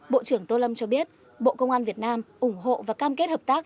bộ trưởng tô lâm cho biết bộ công an việt nam ủng hộ và cam kết hợp tác